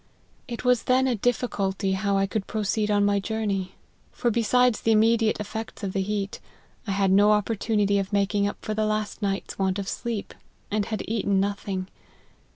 It was then a difficulty how I could proceed on my journey ; for besides the immediate effects of the heat, I had no opportunity of making up for the last night's want of sleep, and had eaten nothing.